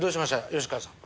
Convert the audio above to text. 吉川さん。